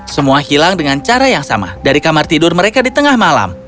semua hilang dengan cara yang sama dari kamar tidur mereka di tengah malam